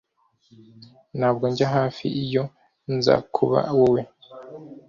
Ntabwo njya hafi iyo nza kuba wowe